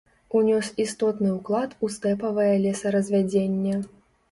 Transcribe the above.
Унёс істотны ўклад у стэпавае лесаразвядзенне.